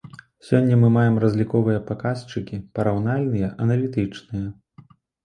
Сёння мы маем разліковыя паказчыкі, параўнальныя, аналітычныя.